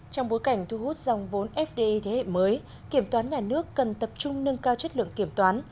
trong bối cảnh thu hút dòng vốn fdi thế hệ mới kiểm toán nhà nước cần tập trung nâng cao chất lượng kiểm toán